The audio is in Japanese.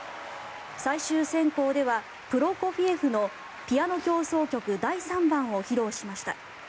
最終選考ではプロコフィエフの「ピアノ協奏曲第３番」を披露しました。